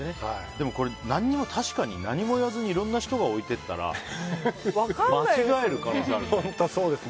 でも、確かに何も言わずにいろんな人が置いていったら間違える可能性あるね。